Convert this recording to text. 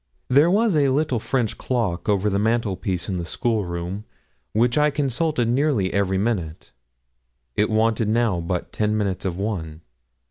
There was a little French clock over the mantelpiece in the school room, which I consulted nearly every minute. It wanted now but ten minutes of one.